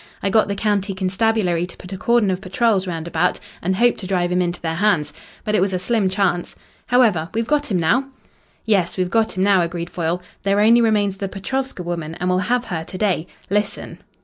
I got the county constabulary to put a cordon of patrols round about, and hoped to drive him into their hands. But it was a slim chance. However, we've got him now." "Yes, we've got him now," agreed Foyle. "There only remains the Petrovska woman, and we'll have her to day. Listen."